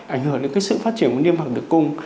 ảnh hưởng đến cái sự phát triển của niêm hoặc tử cung